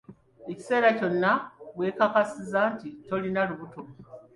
Ekiseera kyonna we weekakasiza nti toilina lubuto.